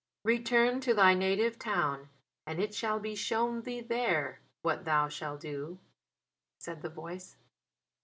"Return to thy native town, and it shall be shown thee there what thou shall do," said the voice.